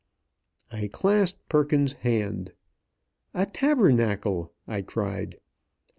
I clasped Perkins's hand. "A tabernacle!" I cried.